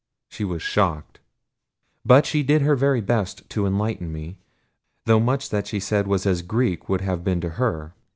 She was shocked. But she did her very best to enlighten me, though much that she said was as Greek would have been to her.